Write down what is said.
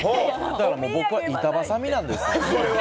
だから僕は板挟みなんですよ。